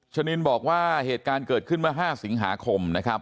ชนินบอกว่าเหตุการณ์เกิดขึ้นเมื่อ๕สิงหาคมนะครับ